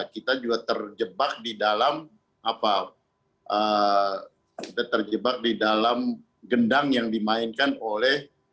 kita juga terjebak di dalam gendang yang dimainkan oleh